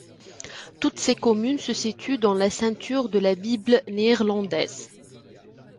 Toutes ces communes se situent dans la ceinture de la Bible néerlandaise.